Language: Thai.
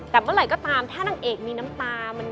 แต่เมื่อไหร่ก็ตามถ้านางเอกมีน้ำตา